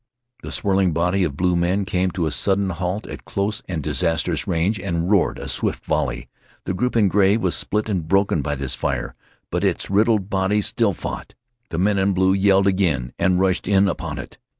The swirling body of blue men came to a sudden halt at close and disastrous range and roared a swift volley. The group in gray was split and broken by this fire, but its riddled body still fought. The men in blue yelled again and rushed in upon it.